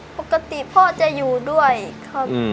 ปกติพ่อจะอยู่ด้วยครับ